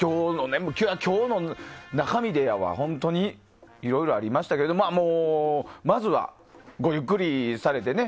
今日の中身で本当にいろいろありましたがまずは、ごゆっくりされてね。